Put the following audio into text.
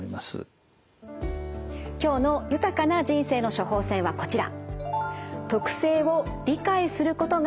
今日の豊かな人生の処方せんはこちら。